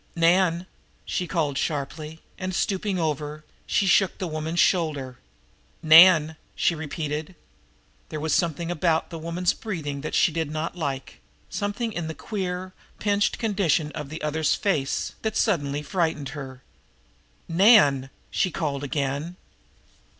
"Nan!" she called sharply; and, stooping over, shook the woman's shoulder. "Nan!" she repeated. There was something about the woman's breathing that she did not like, something in the queer, pinched condition of the other's face that suddenly frightened her. "Nan!" she called again.